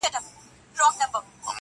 خيال ويل ه مـا پــرې وپاسه.